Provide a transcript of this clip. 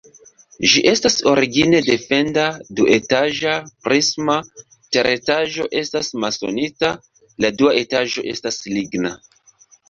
Ĝi estas origine defenda, duetaĝa, prisma, teretaĝo estas masonita, la dua etaĝo estas ligna.